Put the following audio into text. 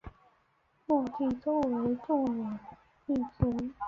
墓地周围种有绿植。